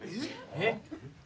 えっ？